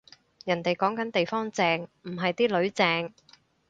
人哋講緊地方正，唔係啲囡正